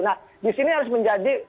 nah di sini harus menjadi